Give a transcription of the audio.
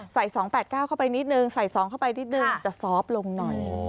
๒๘๙เข้าไปนิดนึงใส่๒เข้าไปนิดนึงจะซอฟต์ลงหน่อย